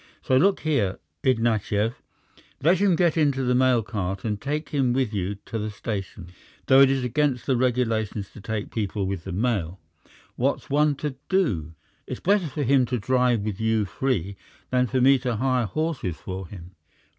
So look here, Ignatyev, let him get into the mail cart and take him with you to the station: though it is against the regulations to take people with the mail, what's one to do? It's better for him to drive with you free than for me to hire horses for him."